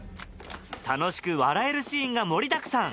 楽しく笑えるシーンが盛りだくさん